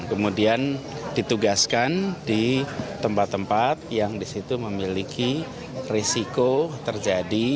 kemudian ditugaskan di tempat tempat yang disitu memiliki risiko terjadi